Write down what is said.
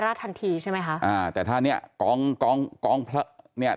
ถ้าไม่ใช่คนอ่ะลาดได้แต่ถ้าเป็นตัวคนเอาผ้าชุบน้ำแล้วไปโปะ